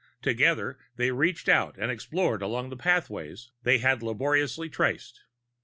Together they reached out and explored along the pathways they had laboriously traced.